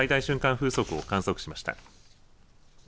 風速を観測しました。